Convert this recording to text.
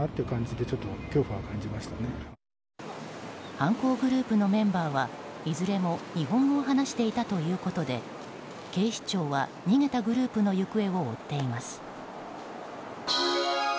犯行グループのメンバーはいずれも日本語を話していたということで警視庁は逃げたグループの行方を追っています。